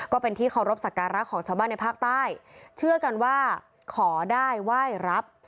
ก็เป็นที่เคารพสักการะของชาวบ้านในภาคใต้เชื่อกันว่าขอได้ไหว้รับ